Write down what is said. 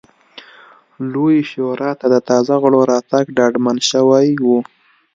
لویې شورا ته د تازه غړو راتګ ډاډمن شوی و.